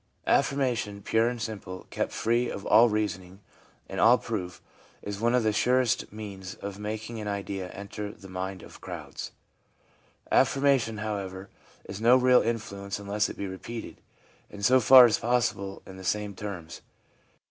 ... Affirmation pure and simple, kept free of all reasoning and all proof, is one of the surest means of making an idea enter the mind of crowds. ... Affirmation, how ever, has no real influence unless it be repeated, and so far as possible in the same terms.